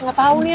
gak tahunya ya